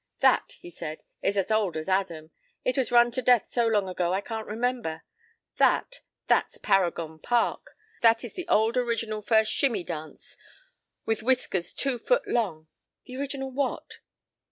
p> "That," he said, "is as old as Adam. It was run to death so long ago I can't remember. That? That's 'Paragon Park.' That is the old original first 'Shimmie' dance—with whiskers two foot long—" "The original what?"